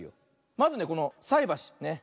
まずねこのさいばし。